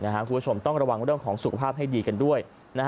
คุณผู้ชมต้องระวังเรื่องของสุขภาพให้ดีกันด้วย